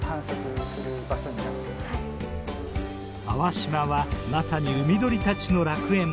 粟島はまさに海鳥たちの楽園。